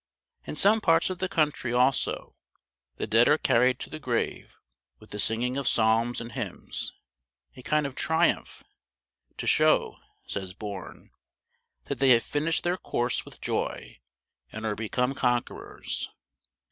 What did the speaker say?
In some parts of the country, also, the dead are carried to the grave with the singing of psalms and hymns a kind of triumph, "to show," says Bourne, "that they have finished their course with joy, and are become conquerors."